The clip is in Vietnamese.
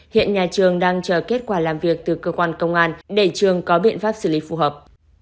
hiện nhà trường đang chờ kết quả làm việc từ cơ quan công an để trường có biện pháp xử lý phù hợp